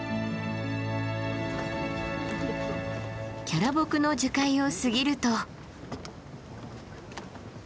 キャラボクの樹海を過ぎると。